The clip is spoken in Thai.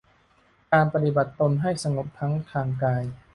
การปฏิบัติตนให้สงบทั้งทางกาย